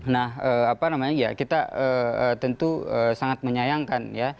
nah apa namanya ya kita tentu sangat menyayangkan ya